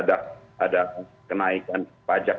ada kenaikan pajak